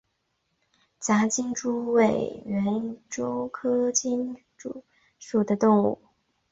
杂金蛛为园蛛科金蛛属的动物。